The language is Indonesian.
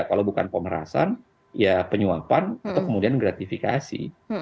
kalau bukan pemerasan ya penyuapan atau kemudian gratifikasi